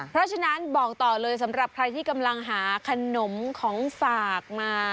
เพราะฉะนั้นบอกต่อเลยสำหรับใครที่กำลังหาขนมของฝากมา